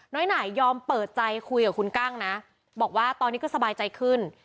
ไหนยอมเปิดใจคุยกับคุณกั้งนะบอกว่าตอนนี้ก็สบายใจขึ้น